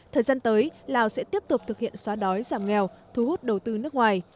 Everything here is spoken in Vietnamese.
thời gian tới lào sẽ tiếp tục thực hiện xóa đói giảm nghèo thu hút đầu tư nước ngoài